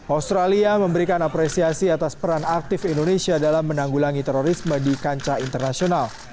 australia memberikan apresiasi atas peran aktif indonesia dalam menanggulangi terorisme di kancah internasional